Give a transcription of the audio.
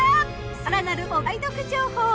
更なるお買い得情報。